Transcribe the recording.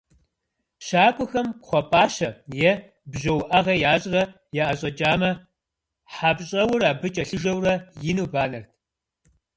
ЩакӀуэхэм кхъуэ пӀащэ е бжьо уӀэгъэ ящӀрэ яӀэщӀэкӀамэ, хьэпщӀэур абы кӀэлъыжэурэ, ину банэрт.